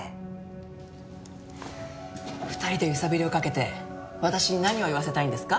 ２人で揺さぶりをかけて私に何を言わせたいんですか？